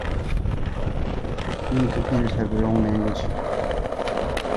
Even computers have their own language.